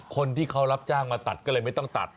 คนที่เขารับจ้างมาตัดก็เลยไม่ต้องตัด